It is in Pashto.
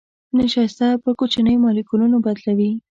نشایسته پر کوچنيو مالیکولونو بدلوي.